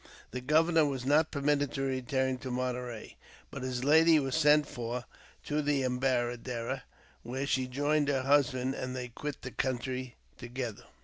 The governor was not permitted to return to Monterey, but his lady was sent for to the Embaradara, where she rejoined her husband and they quit the country together.